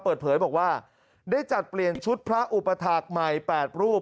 เปิดเผยบอกว่าได้จัดเปลี่ยนชุดพระอุปถาคใหม่๘รูป